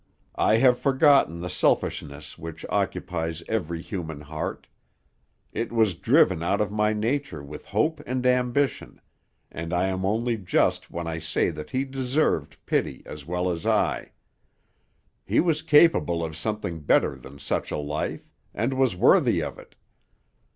I have forgotten the selfishness which occupies every human heart; it was driven out of my nature with hope and ambition, and I am only just when I say that he deserved pity as well as I. He was capable of something better than such a life; and was worthy of it.